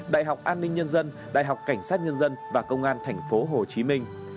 đại học an ninh nhân dân đại học cảnh sát nhân dân và công an thành phố hồ chí minh